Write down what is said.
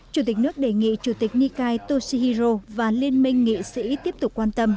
chủ tịch nước đề nghị chủ tịch nikai toshihiro và liên minh nghị sĩ tiếp tục quan tâm